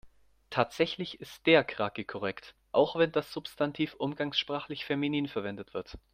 Tatsächlich ist der Krake korrekt, auch wenn das Substantiv umgangssprachlich feminin verwendet wird.